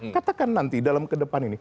katakan nanti dalam kedepan ini